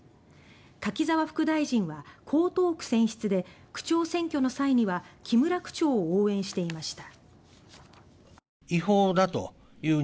柿沢副大臣は江東区選出で区長選挙の際には木村区長を応援していました。